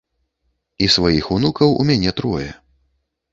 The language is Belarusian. І сваіх унукаў у мяне трое.